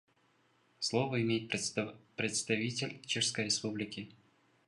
Слово имеет представитель Чешской Республики.